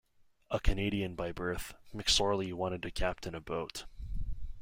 A Canadian by birth, McSorley wanted to captain a boat.